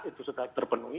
itu sudah terpenuhi